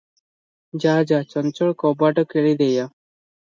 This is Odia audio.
ଯା ଯା, ଚଞ୍ଚଳ କବାଟ କିଳି ଦେଇ ଆ ।